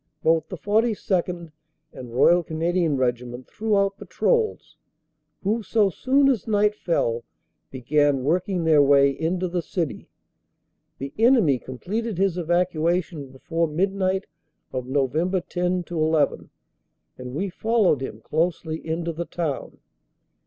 Both the 42nd. and Royal Canadian Regiment threw out patrols, who so soon as night CAPTURE OF MONS 383 fell began working their way into the city. The enemy com pleted his evacuation before midnight of Nov. 10 11, and we followed him closely into the town.